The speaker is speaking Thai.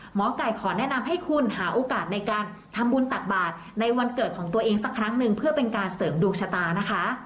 หมอไก่ขอแนะนำให้คุณหาโอกาสในการทำบุญตักบาทในวันเกิดของตัวเองสักครั้งหนึ่งเพื่อเป็นการเสริมดวงชะตานะคะ